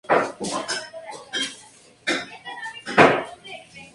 Esta subespecie habita en el centro-este del Brasil.